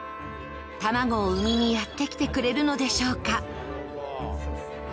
卵を産みにやってきてくれるのでしょうか。